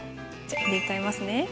じゃあ入れちゃいますね。